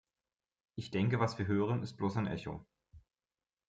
Ich denke, was wir hören, ist bloß ein Echo.